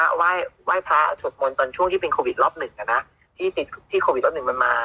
ไหว้ไหว้พระสวดมนต์ตอนช่วงที่เป็นโควิดรอบหนึ่งอ่ะนะที่ติดที่โควิดรอบหนึ่งมันมา